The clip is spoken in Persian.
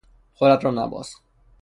خودت را نباز!